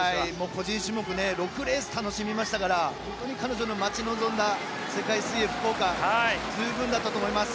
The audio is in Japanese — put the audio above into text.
個人種目６レース楽しみましたから彼女の待ち望んだ世界水泳福岡十分だったと思います。